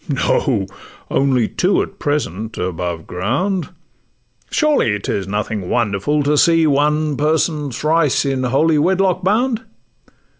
'No—only two at present above ground: Surely 'tis nothing wonderful to see One person thrice in holy wedlock bound!